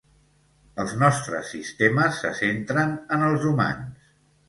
Els nostres sistemes se centren en els humans.